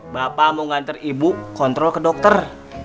bapak mau ngantar ibu kontrol ke dokter